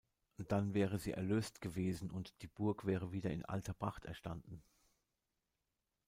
Dann wäre sie erlöst gewesen, und die Burg wäre wieder in alter Pracht erstanden.